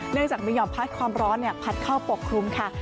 เนื่องจากมีห่อมพัดความร้อนพัดเข้าปกครุมค่ะ